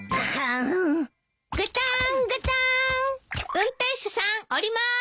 運転手さん降りまーす！